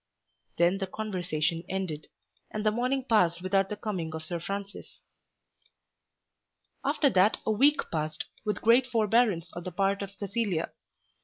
Then the conversation ended, and the morning passed without the coming of Sir Francis. After that a week passed, with great forbearance on the part of Cecilia.